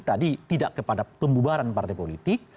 tadi tidak kepada pembubaran partai politik